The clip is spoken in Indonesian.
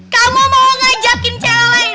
kamu mau ngajakin channel lain